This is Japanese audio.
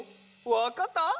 わかった？